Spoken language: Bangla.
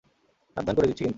সাবধান করে দিচ্ছি কিন্তু।